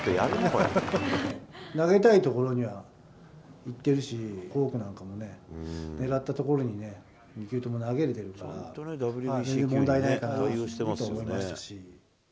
投げたいところにはいってるし、フォークなんていうのもね、狙ったところにね、２球とも投げれてるから、全然問題ないと思いましたし。